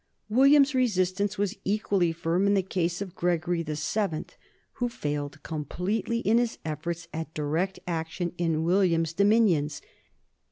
William's resistance was equally firm in the case of Gregory VII, who failed completely in his efforts at direct action in William's dominions.